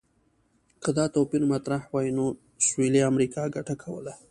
که دا توپیر مطرح وای، نو سویلي امریکا ګټه کوله.